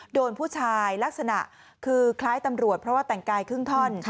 โดนผู้ชายลักษณะคือคล้ายตำรวจเพราะว่าแต่งกายครึ่งท่อน